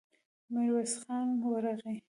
ميرويس خان ورغی.